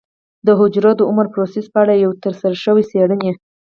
د حجرو د عمر پروسې په اړه یوې ترسره شوې څېړنې